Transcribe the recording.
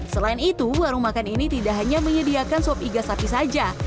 selain itu warung makan ini tidak hanya menyediakan sop iga sapi saja